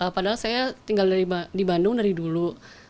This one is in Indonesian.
padahal saya tinggal di bandung dari dulu